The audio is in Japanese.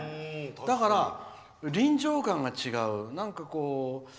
だから、臨場感が違う。